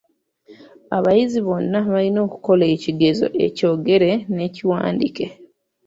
Abayizi bonna balina okukola ekigezo ekyogere n'ekiwandiike.